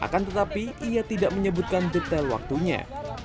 dan tetapi ia tidak menyebutkan detail waktunya